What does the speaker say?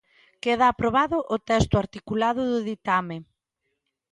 Queda aprobado o texto articulado do ditame.